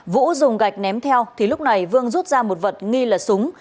vũ dùng gạch ném theo thì lúc này vương rút ra một vật nghi là súng